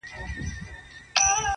ستا د تن سايه مي په وجود كي ده,